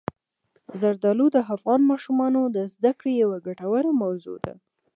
زردالو د افغان ماشومانو د زده کړې یوه ګټوره موضوع ده.